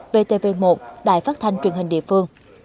vtv một đài phát thanh truyền hình địa phương